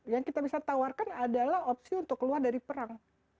yang kita bisa tawarkan adalah opsi untuk keluar dari perang